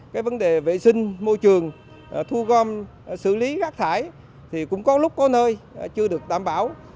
cái vấn đề vệ sinh môi trường thu gom xử lý rác thải thì cũng có lúc có nơi chưa được đảm bảo